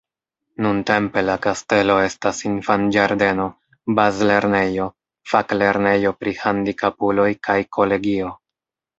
Nuntempe la kastelo estas infanĝardeno, bazlernejo, faklernejo pri handikapuloj kaj kolegio.